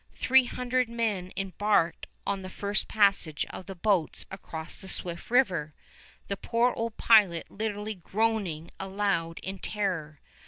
Three hundred men embarked on the first passage of the boats across the swift river, the poor old pilot literally groaning aloud in terror.